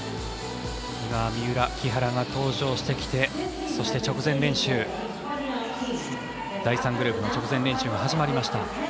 今、三浦、木原が登場してきて第３グループの直前練習が始まりました。